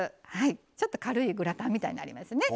ちょっと軽いグラタンみたいになりますね。